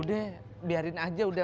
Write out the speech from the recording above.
udah biarin aja udah